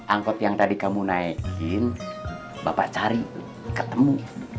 angkot yang tadi kamu naikin bapak cari ketemu